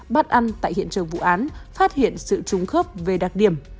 bát ăn tại hiện trường vụ án phát hiện sự trung khớp về đặc điểm